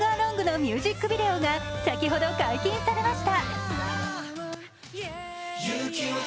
ミュージックビデオが先ほど解禁されました。